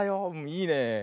いいねえ。